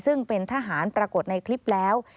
ซึ่งเป็นทหารปรากฏในคลิปแล้ว